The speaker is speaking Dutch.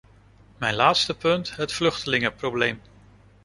Mijn laatste punt: het vluchtelingenprobleem.